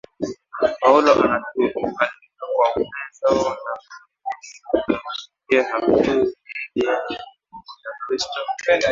Paulo anatualika kwa upendo na kutukumbusha Je hamjui miili yenu ni viungo vya Kristo